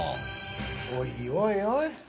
おいおいおい。